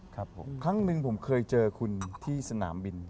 ครับผมครั้งหนึ่งผมเคยเจอคุณที่สนามบิน